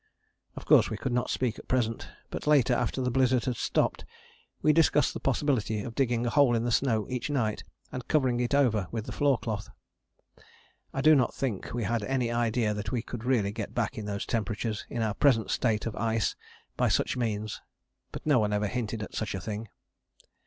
Of course we could not speak at present, but later after the blizzard had stopped we discussed the possibility of digging a hole in the snow each night and covering it over with the floor cloth. I do not think we had any idea that we could really get back in those temperatures in our present state of ice by such means, but no one ever hinted at such a thing.